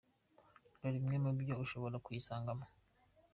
Dore bimwe mu byo ushobora kuyisangamo.